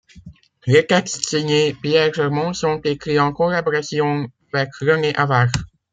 Les textes signés Pierre Germont sont écrits en collaboration avec René Havard.